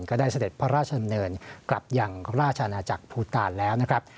ก็ได้เสด็จพระราชดำเนินกลับอย่างราชนาจักรภูตาลแล้วนะครับ